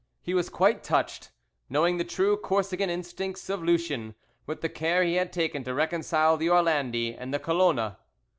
He was quite touched, knowing the true Corsican instincts of Lucien, with the care he had taken to reconcile the Orlandi and the Colona.